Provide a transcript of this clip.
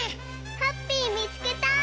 ハッピーみつけた！